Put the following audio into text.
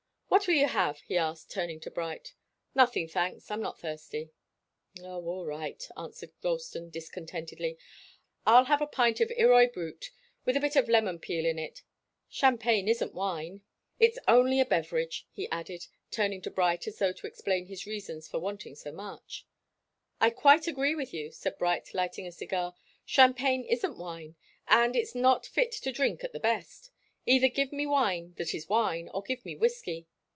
"What will you have?" he asked, turning to Bright. "Nothing, thanks. I'm not thirsty." "Oh all right," answered Ralston discontentedly. "I'll have a pint of Irroy Brut with a bit of lemon peel in it. Champagne isn't wine it's [Illustration: "A place probably unique in the world." Vol. I., p. 10.] only a beverage," he added, turning to Bright as though to explain his reasons for wanting so much. "I quite agree with you," said Bright, lighting a cigar. "Champagne isn't wine, and it's not fit to drink at the best. Either give me wine that is wine, or give me whiskey."